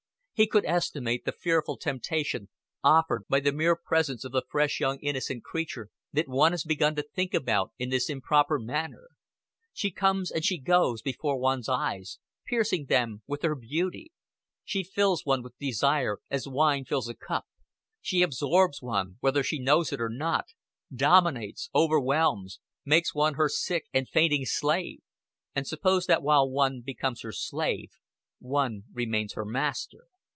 He could estimate the fearful temptation offered by the mere presence of the fresh young innocent creature that one has begun to think about in this improper manner. She comes and she goes before one's eyes, piercing them with her beauty; she fills one with desire as wine fills a cup; she absorbs one, whether she knows it or not, dominates, overwhelms, makes one her sick and fainting slave. And suppose that while one becomes her slave one remains her master.